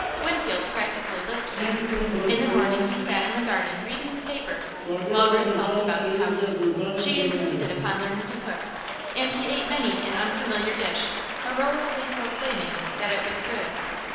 Winfield practically lived there. In the morning, he sat in the garden, reading the paper, while Ruth helped about the house. She insisted upon learning to cook, and he ate many an unfamiliar dish, heroically proclaiming that it was good.